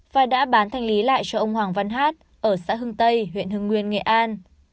và đã bán thanh lý lại cho ông hoàng văn hát ở xã hưng tây huyện hưng nguyên nghệ an